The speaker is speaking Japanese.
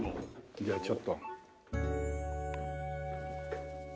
じゃあちょっと。